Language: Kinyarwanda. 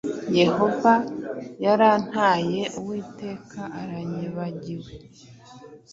Yehova yarantaye, Uwiteka aranyibagiwe.’